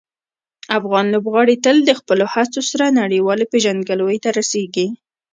افغان لوبغاړي تل د خپلو هڅو سره نړیوالې پېژندګلوۍ ته رسېږي.